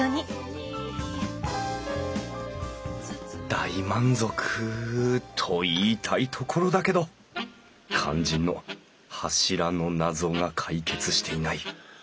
大満足と言いたいところだけど肝心の柱の謎が解決していない。